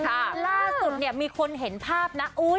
ล่าสุดมีคนเห็นภาพนะ